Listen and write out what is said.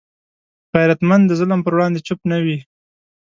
غیرتمند د ظلم پر وړاندې چوپ نه وي